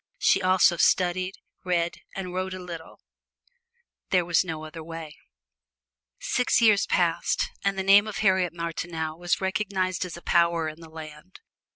She also studied, read and wrote a little there was no other way! Six years passed, and the name of Harriet Martineau was recognized as a power in the land.